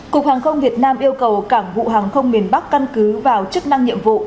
cục hàng không việt nam yêu cầu cảng vụ hàng không miền bắc căn cứ vào chức năng nhiệm vụ